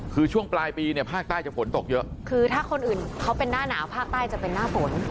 คือช่วงปลายปีเนี่ยภาคใต้จะฝนตกเยอะคือถ้าคนอื่นเขาเป็นหน้าหนาวภาคใต้จะเป็นหน้าฝน